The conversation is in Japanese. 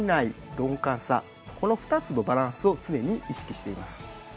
この２つのバランスを常に意識しています。